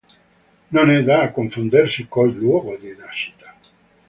Non è da confondersi col luogo di nascita.